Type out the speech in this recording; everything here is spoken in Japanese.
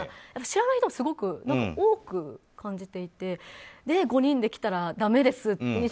知らない人もすごく多く感じていて５人で来たらだめですって